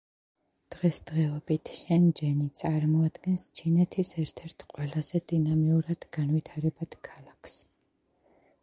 დღესდღეობით შენჯენი წარმოადგენს ჩინეთის ერთ-ერთ ყველაზე დინამიურად განვითარებად ქალაქს.